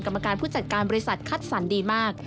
กรรมการผู้จัดการบริษัทคัดสรรดีมาก